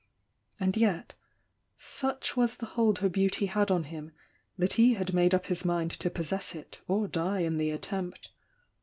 And yet— such was the hold her beauty had on him, that he had made up his mind to possess it or die in the attempt.